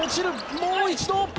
もう一度。